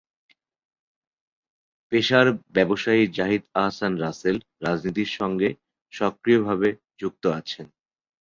পেশার ব্যবসায়ী জাহিদ আহসান রাসেল রাজনীতির সঙ্গে সক্রিয় ভাবে যুক্ত আছেন।